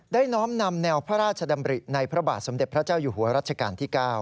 น้อมนำแนวพระราชดำริในพระบาทสมเด็จพระเจ้าอยู่หัวรัชกาลที่๙